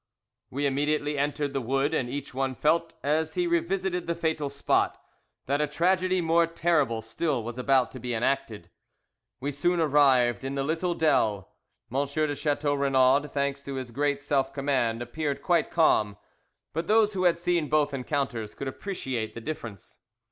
We immediately entered the wood, and each one felt, as he revisited the fatal spot, that a tragedy more terrible still was about to be enacted. We soon arrived in the little dell. M. de Chateau Renaud, thanks to his great self command, appeared quite calm, but those who had seen both encounters could appreciate the difference.